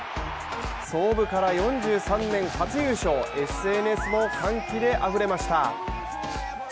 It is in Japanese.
創部から４３年で初優勝、ＳＮＳも歓喜であふれました。